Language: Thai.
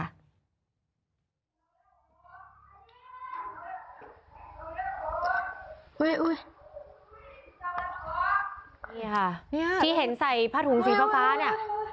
นี่ค่ะที่เห็นใส่ผ้าถุงสีฟ้าเนี่ย